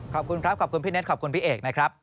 ขอบคุณครับขอบคุณพี่เน็ตขอบคุณพี่เอกนะครับ